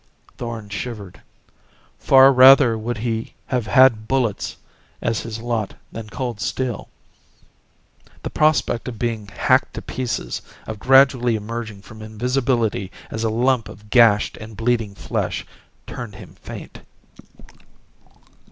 Thorn shivered. Far rather would he have had bullets as his lot than cold steel. The prospect of being hacked to pieces, of gradually emerging from invisibility as a lump of gashed and bleeding flesh, turned him faint.